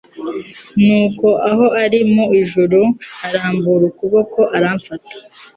Nuko aho ari mu ijuru arambura ukuboko aramfata